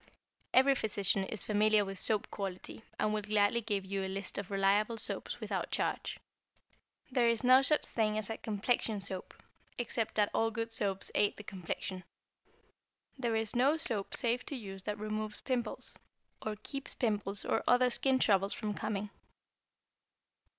Every physician is familiar with soap quality, and will gladly give you a list of reliable soaps without charge. There is no such thing as a complexion soap, except that all good soaps aid the complexion. There is no soap safe to use that removes pimples, or keeps pimples or other skin troubles from coming.